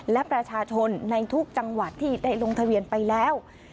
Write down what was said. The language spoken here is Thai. และประชาชนในทุกจังหวัดที่ได้ลงทะเบียนไปแล้ว